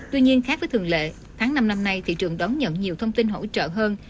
tuy nhiên khác với thường lệ tháng năm năm nay thị trường đón nhận nhiều thông tin hỗ trợ hơn